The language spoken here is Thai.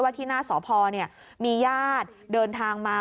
ว่าที่หน้าสอพอเนี่ยมีญาติเดินทางมา